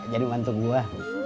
jadi mantep gue